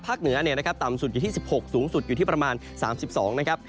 เหนือต่ำสุดอยู่ที่๑๖สูงสุดอยู่ที่ประมาณ๓๒นะครับ